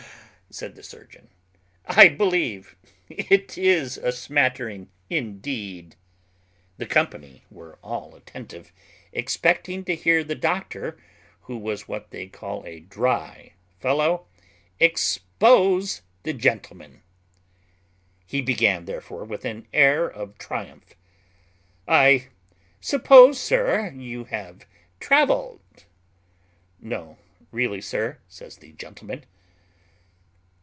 said the surgeon; "I believe it is a smattering indeed." The company were all attentive, expecting to hear the doctor, who was what they call a dry fellow, expose the gentleman. He began therefore with an air of triumph: "I suppose, sir, you have travelled?" "No, really, sir," said the gentleman.